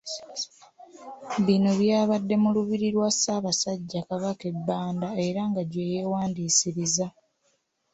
Bino byabadde mu Lubiri lwa Ssaabasajja Kabaka e Banda era nga gye yewandisiriza.